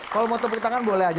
kalau mau tepuk tangan boleh aja